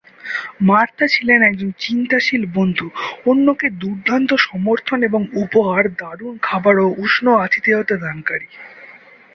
Martha ছিলেন একজন চিন্তাশীল বন্ধু, অন্যকে দুর্দান্ত সমর্থন এবং উপহার, দারুণ খাবার ও উষ্ণ আতিথেয়তা দানকারী।